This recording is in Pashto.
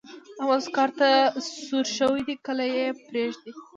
احمد اوس کار ته سور شوی دی؛ کله يې پرېږدي.